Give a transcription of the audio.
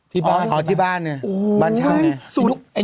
อ๋อที่บ้านเนี่ยบ้านช่างเนี่ย